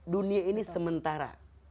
dunia ini sementara